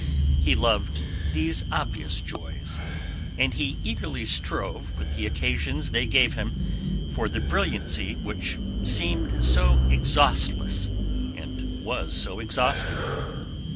He loved these obvious joys, and he eagerly strove with the occasions they gave him for the brilliancy which seemed so exhaustless and was so exhausting.